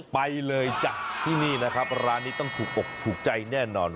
ไปเลยจ้ะที่นี่นะครับร้านนี้ต้องถูกอกถูกใจแน่นอน